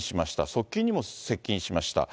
側近にも接近しました。